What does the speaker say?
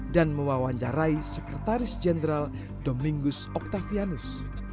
dan mewawancarai sekretaris jenderal domingus octavianus